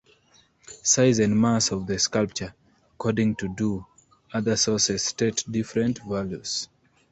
Size and mass of the sculpture according to Du, other sources state different values.